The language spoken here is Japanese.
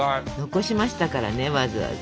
残しましたからねわざわざ。